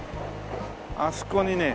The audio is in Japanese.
あそこにね